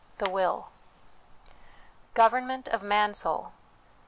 THE WILL Government of Mansoul.